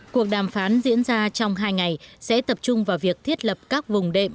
cuộc đàm phán diễn ra trong hai ngày sẽ tập trung vào việc thiết lập các vùng đệm